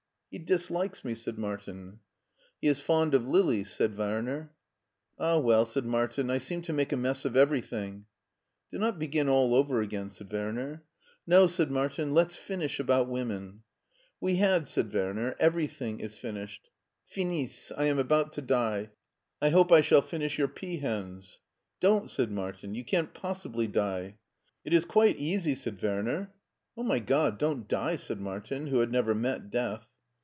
" He dislikes me," said Martia tt t( it ti 62 MARTIN SCHULER " He is fond of Lili/' said Werner. '' Ah, well/' said Martin, '" I seem to make a mess of ever3rthing/' Do not begin all over again/' said Werner. No/' said Martin ;" let's finish about women/' We had/' said Werner, "everything is finished. Finis ! I am about to die. I hope I shall finish your peahens." Don't !" said Martin, " you can't possibly die." It is quite easy," said Werner. " Oh, my God, don't die !" said Martin, who had n^ver met death.